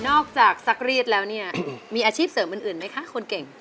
อกจากซักรีดแล้วเนี่ยมีอาชีพเสริมอื่นไหมคะคนเก่ง